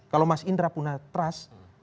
kalau mas indra punya trust